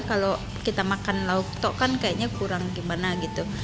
kalau kita makan lauktok kan kayaknya kurang gimana gitu